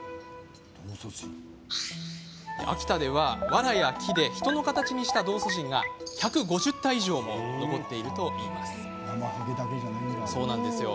秋田では、わらや木で人の形にした道祖神が１５０体以上も残っているといいます。